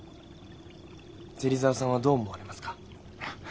芹沢さんはどう思われますか？